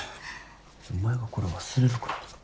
お前がこれ忘れるからだろ。